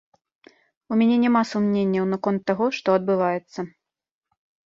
У мяне няма сумненняў наконт таго, што адбываецца.